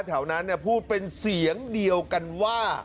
แถวนั้นพูดเป็นเสียงเดียวกันว่า